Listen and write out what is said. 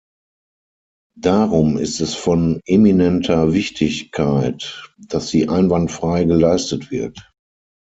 Darum ist es von eminenter Wichtigkeit, dass sie einwandfrei geleistet wird.